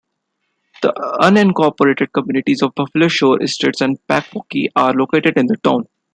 The unincorporated communities of Buffalo Shore Estates and Packwaukee are located in the town.